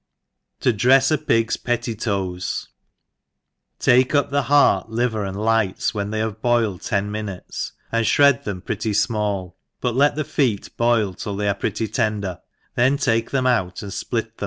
\' To drefs a Pig's Pettitoes. TAKE up the heart, liver, and lights, when they have boiled ten minutes, and (hrcd them pretty fmall, but let the feet boil till they are pretty tender, then take them out and fplit thcmr *•^ f ENGIylSH HOUSE KEEPER.